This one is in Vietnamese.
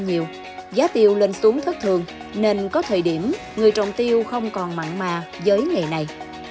giá tiêu lên xuống thất thường nên có thời điểm người trồng tiêu không còn mặn mà giới ngày nay